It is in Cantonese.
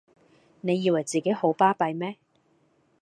你以為自己好巴閉咩！